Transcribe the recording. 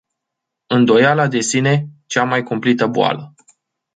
Îndoiala de sine, cea mai cumplită boală.